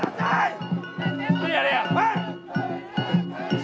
はい！